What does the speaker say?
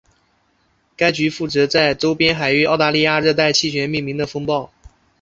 该局负责在周边海域澳大利亚热带气旋命名的风暴。